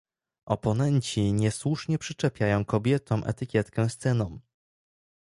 Oponenci niesłusznie przyczepiają kobietom etykietkę z ceną